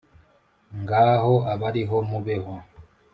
Ngaho abariho mubeho